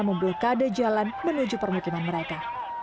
memblokade jalan menuju permukiman mereka